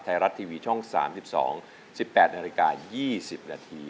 ไทยรัฐทีวีช่อง๓๒๑๘นาฬิกา๒๐นาที